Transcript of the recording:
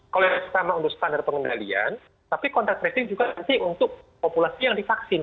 kalau yang pertama untuk standar pengendalian tapi kontak tracing juga nanti untuk populasi yang divaksin